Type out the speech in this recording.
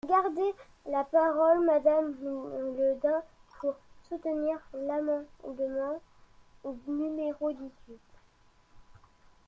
Vous gardez la parole, madame Le Dain, pour soutenir l’amendement numéro dix-huit.